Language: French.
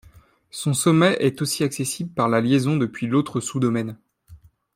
Son sommet est aussi accessible par la liaison depuis l'autre sous-domaine.